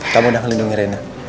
kamu udah ngelindungi raina